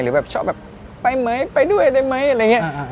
แบบชอบแบบไปไหมไปด้วยได้ไหมอะไรอย่างนี้